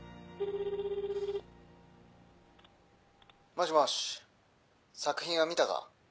もしもし作品は見たか？